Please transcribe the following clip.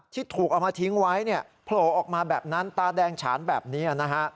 ที่ถูกเอามาทิ้งไว้โผล่ออกมาแบบนั้นตาแดงฉานแบบนี้นะฮะ